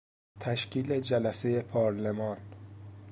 تشکیل جلسهی پارلمان